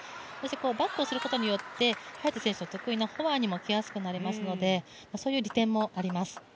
バックをすることによって早田選手の得意なフォアにもっていくこともできますのでそういう利点もあります。